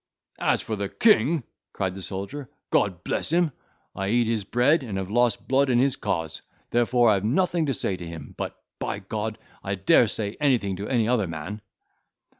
"As for the king," cried the soldier, "God bless him—I eat his bread, and have lost blood in his cause, therefore I have nothing to say to him—but, by G—d, I dare say anything to any other man."